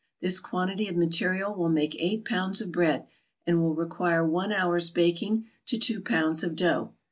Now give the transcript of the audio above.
This quantity of material will make eight pounds of bread, and will require one hour's baking to two pounds of dough.